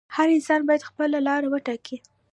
هر انسان باید خپله لاره وټاکي.